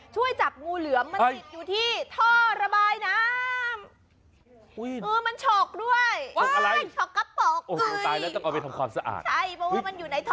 ช่วยจับงูเหลือม